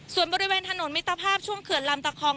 ส่วนบริเวณถนนมิตรภาพช่วงเขื่อนลำตะคอง